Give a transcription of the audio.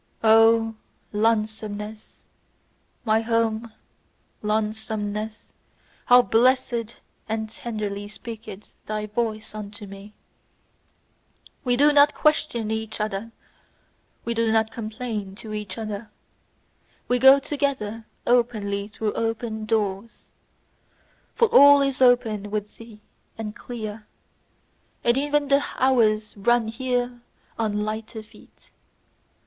O lonesomeness! My home, lonesomeness! How blessedly and tenderly speaketh thy voice unto me! We do not question each other, we do not complain to each other; we go together openly through open doors. For all is open with thee and clear; and even the hours run here on lighter feet.